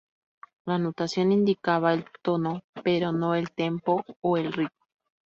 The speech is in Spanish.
La notación indicaba el tono, pero no el tempo o el ritmo.